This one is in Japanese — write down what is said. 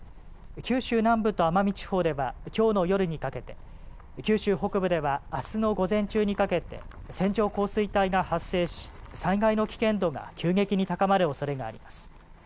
九州南部と奄美地方ではきょうの夜にかけて、九州北部ではあすの午前中にかけて線状降水帯が発生し災害の危険度が急激に高まるおそれがあります。